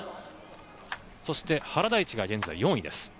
そして原大智が現在４位です。